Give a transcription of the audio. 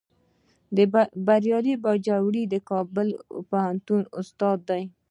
بریالی باجوړی د کابل پوهنتون استاد دی